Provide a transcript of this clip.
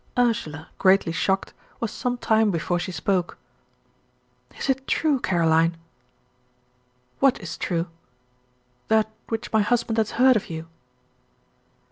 Ursula, greatly shocked, was some time before she spoke. "Is it true, Caroline?" "What is true?" "That which my husband has heard of you?"